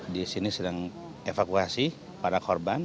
di sini sedang evakuasi para korban